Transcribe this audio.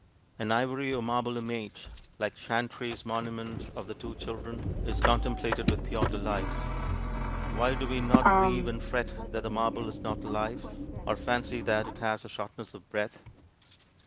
An ivory or marble image, like Chantry's monument of the two children, is contemplated with pure delight. Why do we not grieve and fret that the marble is not alive, or fancy that it has a shortness of breath?